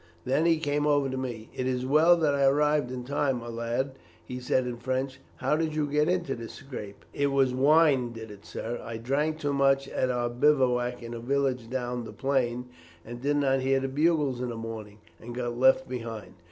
Then he came over to me. 'It is well that I arrived in time, my lad,' he said in French.' How did you get into this scrape?' "'It was wine did it, sir. I drank too much at our bivouac in a village down the plain, and did not hear the bugles in the morning, and got left behind.